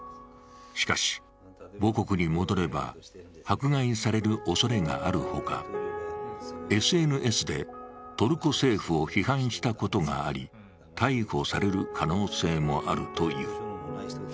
しかし、母国に戻れば迫害されるおそれがあるほか、ＳＮＳでトルコ政府を批判したことがあり、逮捕される可能性もあるという。